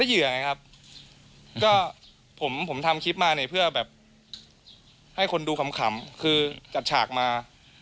เหยื่อไงครับก็ผมผมทำคลิปมาเนี่ยเพื่อแบบให้คนดูขำคือจัดฉากมา